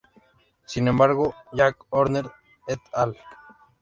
Sin embargo, Jack Horner "et al.